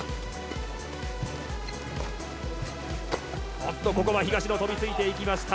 おっと、ここは東野、飛びついていきました。